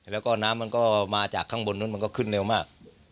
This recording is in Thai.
แล้วก็น้ำมันก็มาจากข้างบนนู้นมันก็ขึ้นเร็วมาก